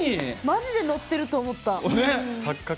マジで乗ってると思った！